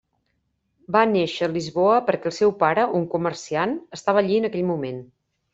Va néixer a Lisboa perquè el seu pare, un comerciant, estava allí en aquell moment.